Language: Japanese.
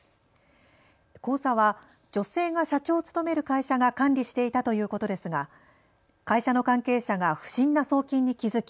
口座は女性が社長を務める会社が管理していたということですが会社の関係者が不審な送金に気付き